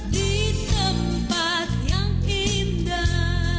di tempat yang indah